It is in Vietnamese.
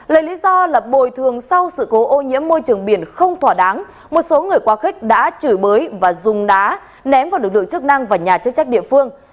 lấy lý do là bồi thường sau sự cố ô nhiễm môi trường biển không thỏa đáng một số người quá khích đã chửi bới và dùng đá ném vào lực lượng chức năng và nhà chức trách địa phương